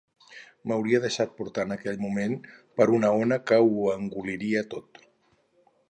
M’hauria deixat portar en aquell mateix moment per una ona que ho engolira tot.